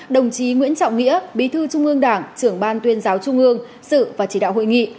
đồng chí nguyễn trọng nghĩa bí thư trung ương đảng trưởng ban tuyên giáo trung ương sự và chỉ đạo hội nghị